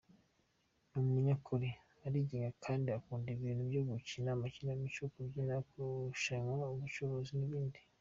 Ni umunyakuri, arigenga kandi akunda ibintu byo gukina amakinamico, kubyina, gushushanya, ubucuruzi n’ibindi.